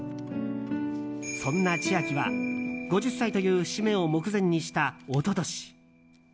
そんな千秋は５０歳という節目を目前にした一昨年。